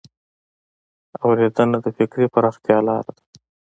اورېدنه د فکري پراختیا لار ده